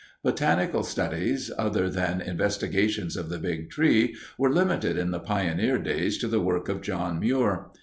Botanical studies other than investigations of the Big Tree were limited in the pioneer days to the work of John Muir.